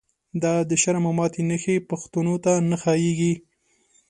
دا دشرم او ماتی نښی، پښتنوته نه ښاییږی